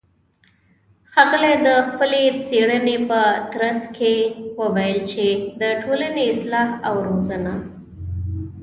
ښاغلى د خپلې څېړنې په ترڅ کې وويل چې د ټولنې اصلاح او روزنه